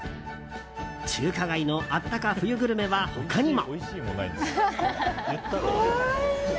中華街のあったか冬グルメは他にも。